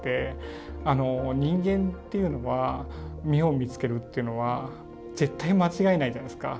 人間っていうのは目を見つけるっていうのは絶対間違えないじゃないですか。